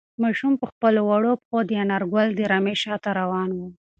ماشوم په خپلو وړو پښو د انارګل د رمې شاته روان و.